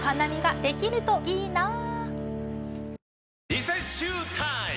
リセッシュータイム！